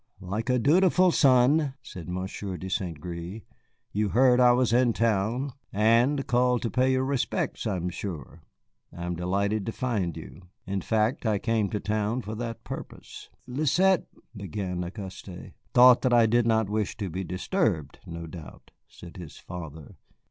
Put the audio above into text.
"Like a dutiful son," said Monsieur de St. Gré, "you heard I was in town, and called to pay your respects, I am sure. I am delighted to find you. In fact, I came to town for that purpose." "Lisette " began Auguste. "Thought that I did not wish to be disturbed, no doubt," said his father.